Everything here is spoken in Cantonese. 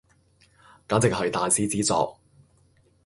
簡直係大師之作